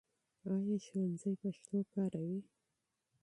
ایا ښوونځی پښتو کاروي؟